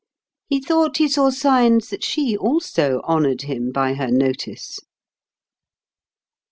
He thought he saw signs that she also honored him by her notice.